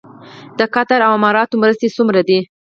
د قطر او اماراتو مرستې څومره دي؟